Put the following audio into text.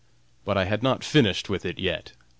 But I had not finished with it yet.